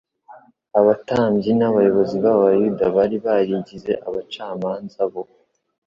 Abatambyi n’abayobozi b’Abayuda bari barigize abacamanza bo